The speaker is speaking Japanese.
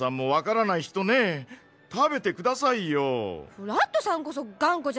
フラットさんこそがんこじゃない。